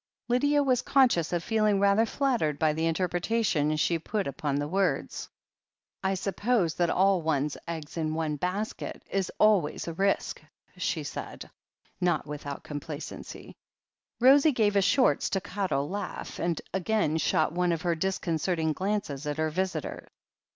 Lydia was conscious of feeling rather flattered by the interpretation she put upon the words. "I suppose that all one's eggs in one basket is always a risk," she said, not without complacency. Rosie gave a short, staccato laugh, and again shot one of her disconcerting glances at her visitor.